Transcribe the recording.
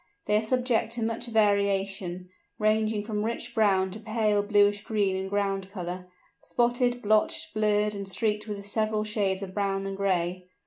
They are subject to much variation, ranging from rich brown to pale bluish green in ground colour, spotted, blotched, blurred, and streaked with several shades of brown and gray.